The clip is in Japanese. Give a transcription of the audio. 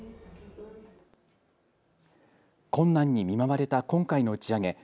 困難に見舞われた今回の打ち上げ。